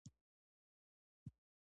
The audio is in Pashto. زړه په مینه کې عاشق نه ځي هر کله.